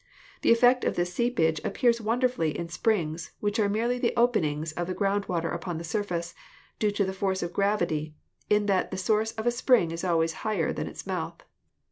The effect of this seepage appears wonderfully in springs, which are merely the openings of the ground water upon the surface, due to the force of gravity, in that the source of a spring is always higher than its mouth.